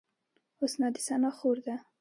حسنا د ثنا خور ده